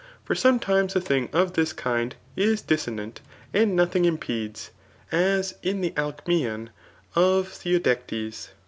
For sometimes a thing of this kind is disso nant, and nothing impedes ;' as in the Alcms&on of Theodectes.